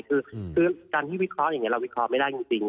คือการที่วิเคราะห์อย่างนี้เราวิเคราะห์ไม่ได้จริง